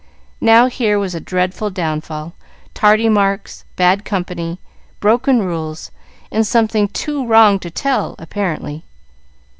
Now here was a dreadful downfall, tardy marks, bad company, broken rules, and something too wrong to tell, apparently.